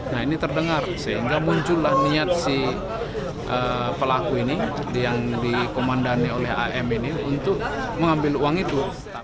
nah ini terdengar sehingga muncullah niat si pelaku ini yang dikomandani oleh am ini untuk mengambil uang itu